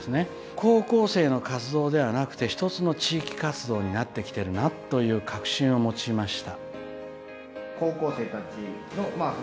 高校生の活動ではなくて一つの地域活動になってきてるなという確信を持ちました。